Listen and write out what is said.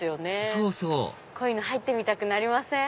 そうそう入ってみたくなりません？